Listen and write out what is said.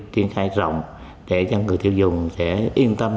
tuyên khai rộng để cho người tiêu dùng yên tâm